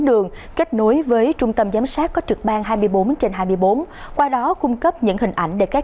đường kết nối với trung tâm giám sát có trực ban hai mươi bốn trên hai mươi bốn qua đó cung cấp những hình ảnh để các